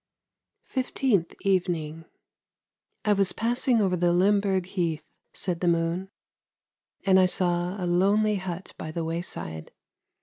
FIFTEENTH EVENING " I was passing over Limborg heath," said the moon, " and I saw a lonely hut by the wayside.